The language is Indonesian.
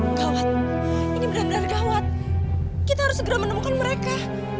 gawat ini benar benar gawat kita harus segera menemukan mereka